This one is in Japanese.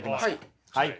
はい。